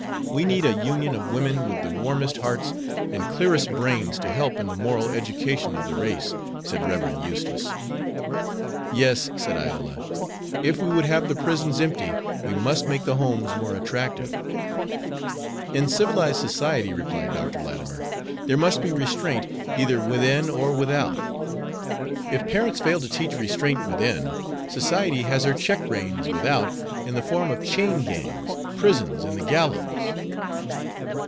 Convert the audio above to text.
We need a union of women with the warmest hearts and clearest brains to help in the moral education of the race," said Rev. Eustace. "Yes," said Iola, "if we would have the prisons empty we must make the homes more attractive." "In civilized society," replied Dr. Latimer, "there must be restraint either within or without. If parents fail to teach restraint within, society has her check reins without in the form of chain gangs, prisons, and the gallows."